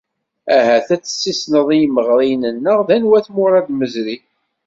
Ahat ad tessissneḍ i yimeɣriyen-nneɣ d anwa-t Murad Mezri?